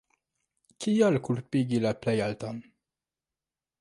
Kial kulpigi la Plejaltan?